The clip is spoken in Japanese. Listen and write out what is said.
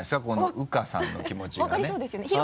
このウカさんの気持ちがね。